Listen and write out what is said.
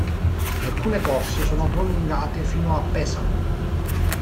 Alcune corse sono prolungate fino a Pesaro.